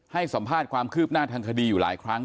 ให้สัมภาษณ์ความคืบหน้าทางคดีอยู่หลายครั้ง